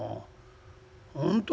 「本当？